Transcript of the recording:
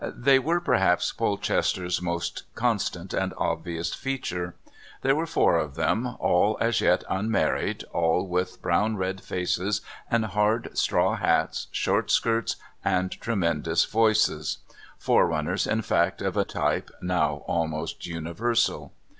They were, perhaps, Polchester's most constant and obvious feature. There were four of them, all as yet unmarried, all with brown red faces and hard straw hats, short skirts, and tremendous voices; forerunners, in fact, of a type now almost universal.